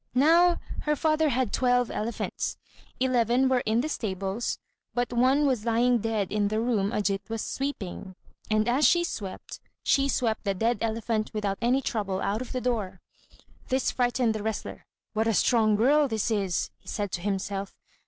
Now, her father had twelve elephants. Eleven were in the stables, but one was lying dead in the room Ajít was sweeping; and as she swept, she swept the dead elephant without any trouble out of the door. This frightened the wrestler. "What a strong girl this is!" he said to himself.